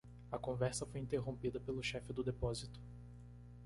A conversa foi interrompida pelo chefe do depósito.